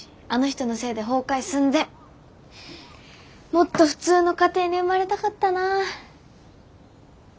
もっと普通の家庭に生まれたかったな。